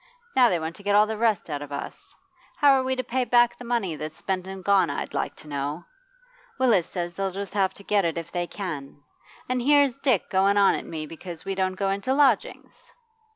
Now they want to get all the rest out of us. How are we to pay back the money that's spent and gone, I'd like to know? Willis says they'll just have to get it if they can. And here's Dick going on at me because we don't go into lodgings!